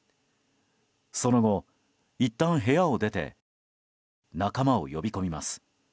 その後、いったん部屋を出て仲間を呼び込みます。